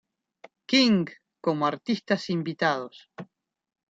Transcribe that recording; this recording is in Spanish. King como artistas invitados.